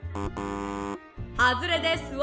「ハズレですわ」。